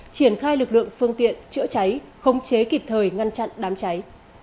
triển khai lực lượng phương tiện chữa cháy không chế kịp thời ngăn chặn đám cháy